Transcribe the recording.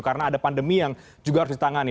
karena ada pandemi yang juga harus ditangani